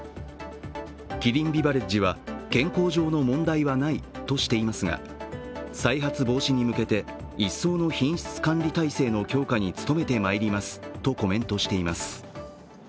キリンビバレッジは健康上の問題はないとしていますが、再発防止に向けて一層の品質管理体制の強化に努めてまいりますとコメントしています